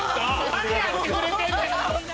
何やってくれてんだ。